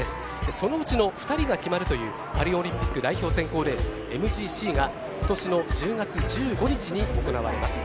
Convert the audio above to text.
そのうちの２人が決まるというパリオリンピック代表選考レースＭＧＣが今年の１０月１５日に行われます。